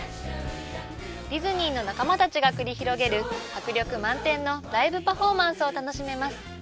ディズニーの仲間たちが繰り広げる迫力満点のライブパフォーマンスを楽しめます。